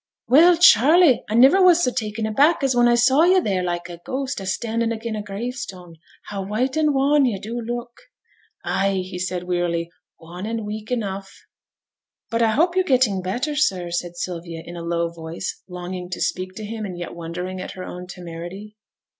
'Well, Charley, a niver was so taken aback as when a saw yo' theere, like a ghost, a standin' agin a gravestone. How white and wan yo' do look!' 'Ay!' said he, wearily, 'wan and weak enough.' 'But I hope you're getting better, sir,' said Sylvia, in a low voice, longing to speak to him, and yet wondering at her own temerity.